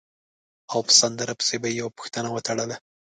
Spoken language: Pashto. او په سندره پسې به یې یوه پوښتنه وتړله.